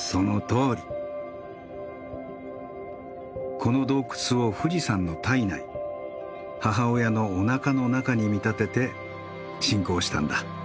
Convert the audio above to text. この洞窟を富士山の胎内母親のおなかの中に見立てて信仰したんだ。